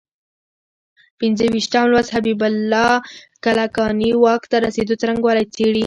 پنځه ویشتم لوست حبیب الله کلکاني واک ته رسېدو څرنګوالی څېړي.